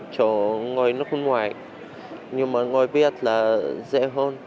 chỗ ngồi nước ngoài nhưng mà ngồi việt là dễ hơn